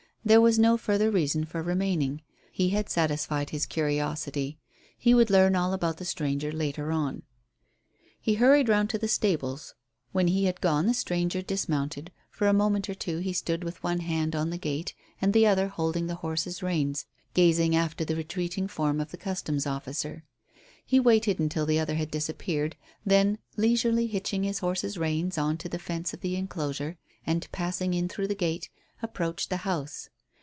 There was no further reason for remaining; he had satisfied his curiosity. He would learn all about the stranger later on. He hurried round to the stables. When he had gone the stranger dismounted; for a moment or two he stood with one hand on the gate and the other holding the horse's reins, gazing after the retreating form of the Customs officer. He waited until the other had disappeared, then leisurely hitched his horse's reins on to the fence of the enclosure, and, passing in through the gate, approached the house.